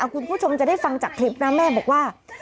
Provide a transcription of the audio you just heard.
คุณผู้ชมจะได้ฟังจากคลิปนะแม่บอกว่า